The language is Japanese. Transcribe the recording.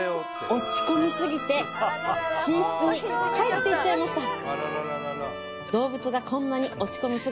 落ち込みすぎて寝室に帰っていっちゃいました